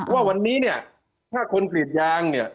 ว่าวันนี้เนี่ยถ้าคนกรีดยางเนี่ย